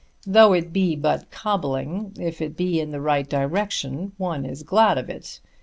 Though it be but cobbling, if it be in the right direction one is glad of it.